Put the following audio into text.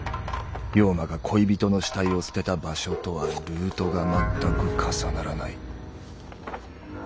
陽馬が恋人の死体を捨てた場所とはルートが全く重ならない。